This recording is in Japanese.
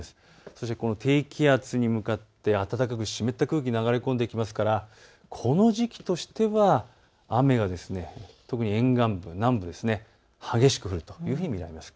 そして低気圧に向かって暖かく湿った空気が流れ込んできますから、この時期としては雨が特に沿岸部、南部、激しく降ると見られます。